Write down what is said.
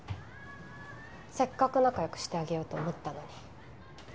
せっかく仲良くしてあげようと思ったのに。